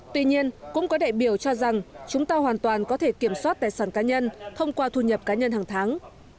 tuy nhiên cũng có đại biểu cho rằng chúng ta hoàn toàn có thể kiểm soát tài sản cá nhân thông qua thu nhập cá nhân hàng tháng